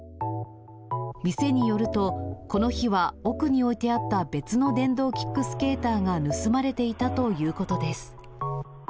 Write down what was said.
店によると、この日は奥に置いてあった別の電動キックスケーターが盗まれていたということです。